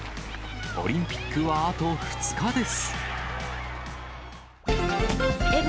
オリンピックはあと２日です。